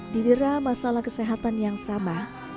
di dera masalah kesehatan yang sama